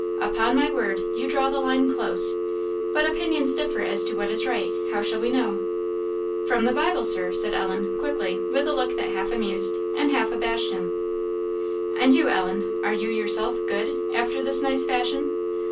"Upon my word, you draw the line close. But opinions differ as to what is right; how shall we know?" "From the Bible, Sir," said Ellen, quickly, with a look that half amused and half abashed him. "And you, Ellen are you yourself good after this nice fashion?"